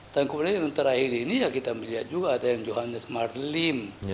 dan kemudian yang terakhir ini ya kita melihat juga ada yang johannes martelim